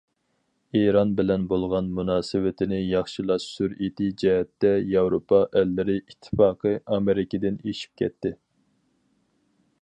ئىران بىلەن بولغان مۇناسىۋىتىنى ياخشىلاش سۈرئىتى جەھەتتە ياۋروپا ئەللىرى ئىتتىپاقى ئامېرىكىدىن ئېشىپ كەتتى.